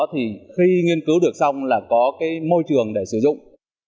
thì khi nghiên cứu được xong là có cái môi trường để sử dụng